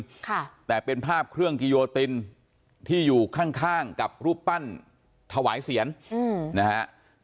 ค่ะแต่เป็นภาพเครื่องกิโยตินที่อยู่ข้างข้างกับรูปปั้นถวายเสียงอืมนะฮะ